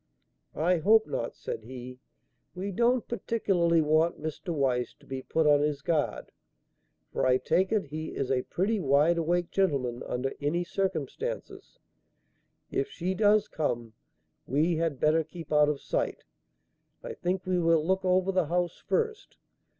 "I hope not," said he. "We don't particularly want Mr. Weiss to be put on his guard, for I take it, he is a pretty wide awake gentleman under any circumstances. If she does come, we had better keep out of sight. I think we will look over the house first.